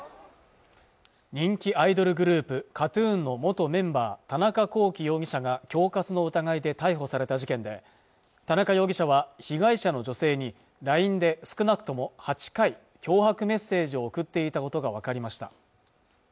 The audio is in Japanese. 人気アイドルグループＫＡＴ−ＴＵＮの元メンバー田中聖容疑者が恐喝の疑いで逮捕された事件で田中容疑者は被害者の女性にＬＩＮＥで少なくとも８回脅迫メッセージを送っていたことが分かりました